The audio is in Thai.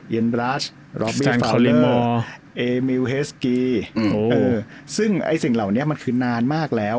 อืมอืมอืมซึ่งไอ้สิ่งเหล่านี้มันคือนานมากแล้ว